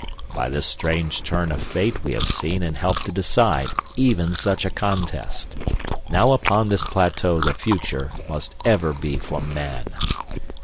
By this strange turn of fate we have seen and helped to decide even such a contest. Now upon this plateau the future must ever be for man."